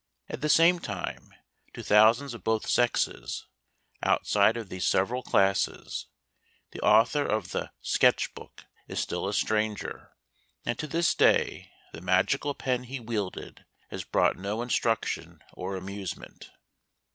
At the same time, to thousands of both sexes, outside of these several classes, the author of the " Sketch Book" is still a stranger, and to this day the magical pen he wielded has brought no instruction or amusement.